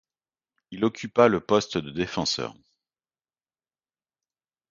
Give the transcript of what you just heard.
Il occupa le poste de défenseur.